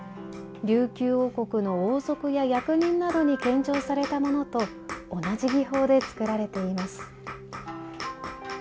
琉球王国の王族や役人などに献上されたものと同じ技法で作られています。